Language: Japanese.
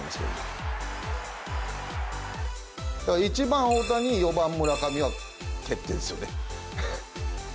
１番、大谷４番、村上は決定ですよね。